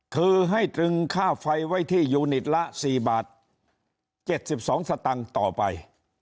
คือให้ตรึงค่าไฟไว้ที่ยูนิตละ๔บาท๗๒สตังค์ต่อไป